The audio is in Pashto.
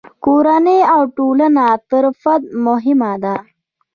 کورنۍ او ټولنه تر فرد مهمه ده.